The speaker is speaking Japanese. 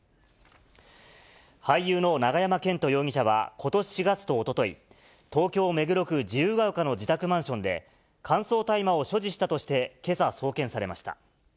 俳優の永山絢斗容疑者は、ことし４月とおととい、東京・目黒区自由が丘の自宅マンションで乾燥大麻を所持したとして、けさ送検されました。